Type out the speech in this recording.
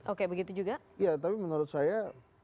oke begitu juga ya tapi menurut saya